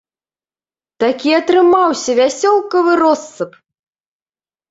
Такі атрымаўся вясёлкавы россып!